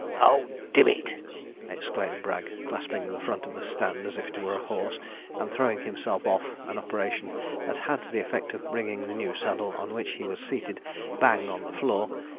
'O, dim it!' exclaimed Bragg, clasping the front of the stand as if it was a horse, and throwing himself off, an operation that had the effect of bringing the new saddle on which he was seated bang on the floor.